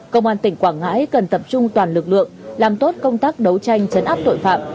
công an tỉnh quảng ngãi cần tập trung toàn lực lượng làm tốt công tác đấu tranh chấn áp tội phạm